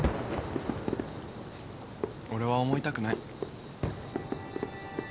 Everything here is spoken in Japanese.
俺は思いたくない。